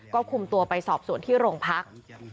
ก็คุมตัวไปสอบสวนที่โรงพัก